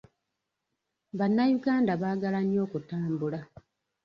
Bannayuganda baagala nnyo okutambula.